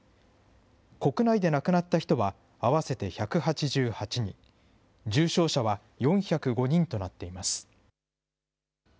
国内で亡くなった人は合わせて１８８人、重症者は４０５人となっています。